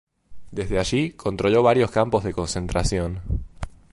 Desde allí, controló varios campos de concentración.